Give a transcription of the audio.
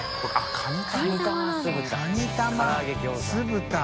剖未かに玉酢豚。